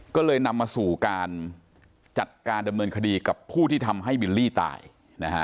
ก็เลยนำมาสู่การจัดการดำเนินคดีกับผู้ที่ทำให้บิลลี่ตายนะฮะ